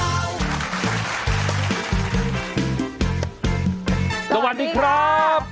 หวัดดีครับสวัสดีครับ